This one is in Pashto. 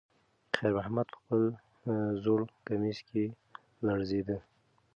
خیر محمد په خپل زوړ کمیس کې لړزېده.